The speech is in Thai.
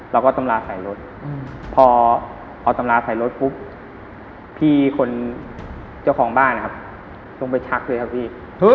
เราก็ตำราใส่รถพอเอาตำราใส่รถพี่คนเจ้าของบ้านต้องไปชักเลยครับพี่